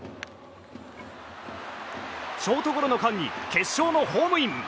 ショートゴロの間に決勝のホームイン。